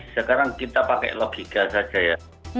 sekarang kita pakai logika saja ya